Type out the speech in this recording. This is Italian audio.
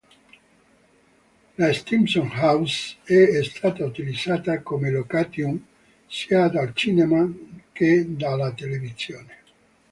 La Stimson House è stata utilizzata come location sia dal cinema che dalla televisione.